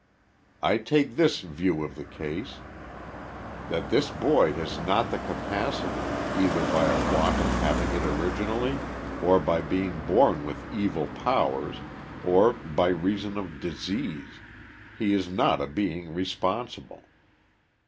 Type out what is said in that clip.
I take this view of the case : that this boy has not the capacity, either by a want of having it originally, or by being born with evil powers, or by reason of disease, he is not a being responsible.